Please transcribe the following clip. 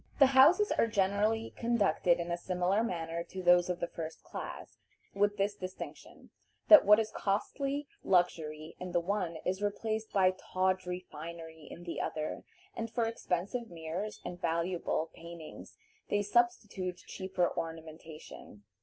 The houses are generally conducted in a similar manner to those of the first class, with this distinction, that what is costly luxury in the one is replaced by tawdry finery in the other, and for expensive mirrors and valuable paintings they substitute cheaper ornamentation.